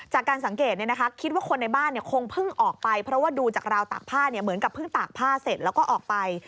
จากการสังเกตคิดว่าคนในบ้านคงเพิ่งออกไปเพราะว่าดูจากราวตากผ้าเหมือนกับเพิ่งตากผ้าเสร็จแล้วก็ออกไป